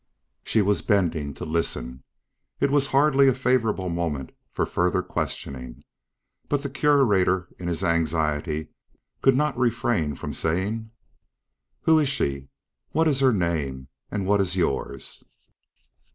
She was bending to listen. It was hardly a favorable moment for further questioning, but the Curator in his anxiety could not refrain from saying: "Who is she? What is her name and what is yours?"